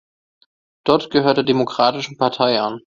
Dodd gehört der Demokratischen Partei an.